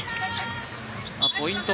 ポイント